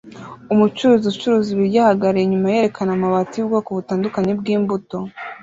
Umucuruzi ucuruza ibiryo ahagarara inyuma yerekana amabati yubwoko butandukanye bwimbuto